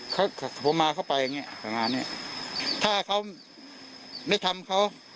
เขาผมมาเข้าไปอย่างเงี้ประมาณเนี้ยถ้าเขาได้ทำเขา